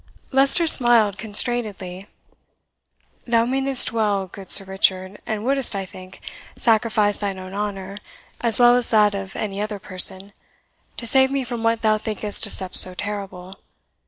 Leicester smiled constrainedly. "Thou meanest well, good Sir Richard, and wouldst, I think, sacrifice thine own honour, as well as that of any other person, to save me from what thou thinkest a step so terrible.